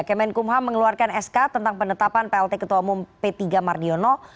kemenkumham mengeluarkan sk tentang penetapan plt ketua umum p tiga mardiono